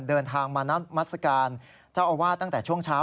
เดินทางมาน้ำมัศกาลเจ้าอาวาสตั้งแต่ช่วงเช้า